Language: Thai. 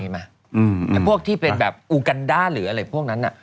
พวกที่เป็นแบบอูกันด้าหรืออะไรพวกนั้น